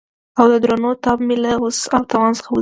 او د دردونو تاب مې له وس او توان څخه وځي.